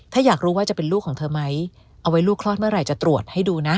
ถ้าอยากรู้ว่าจะเป็นลูกของเธอไหมเอาไว้ลูกคลอดเมื่อไหร่จะตรวจให้ดูนะ